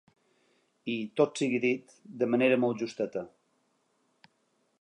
I, tot sigui dit, de manera molt justeta.